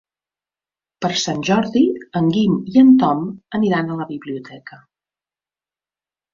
Per Sant Jordi en Guim i en Tom aniran a la biblioteca.